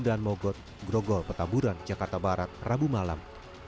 dan mogot grogol petaburan jakarta barat rabu malam